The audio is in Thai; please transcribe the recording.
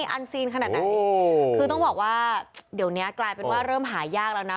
อันซีนขนาดไหนคือต้องบอกว่าเดี๋ยวนี้กลายเป็นว่าเริ่มหายากแล้วนะ